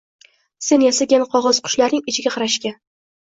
Sen yasagan qog’oz qushlarning ichiga qarashgan